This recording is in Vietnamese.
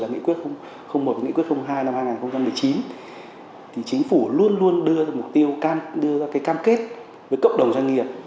nghị quyết một nghị quyết hai năm hai nghìn một mươi chín thì chính phủ luôn luôn đưa ra mục tiêu đưa ra cái cam kết với cộng đồng doanh nghiệp